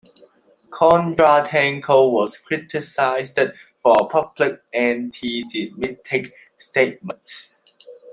Kondratenko was criticized for public antisemitic statements.